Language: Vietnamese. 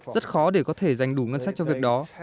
rất khó để có thể dành đủ ngân sách cho việc đó